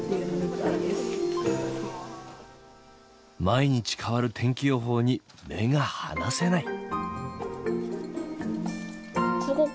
毎日変わる天気予報に目が離せない。